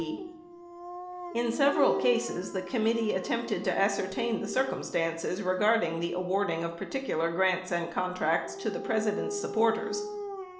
81 In several cases, the committee attempted to ascertain the circum stances regarding the awarding of particular grants and contracts to the President's supporters.